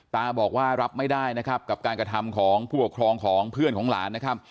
ตาบอกว่ารับไม่ได้นะครับกับการกระทำของผู้ปกครองของเพื่อนของหลานนะครับ